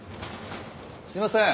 すいません。